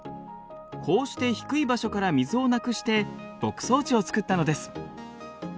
こうして低い場所から水をなくして牧草地を作ったのです。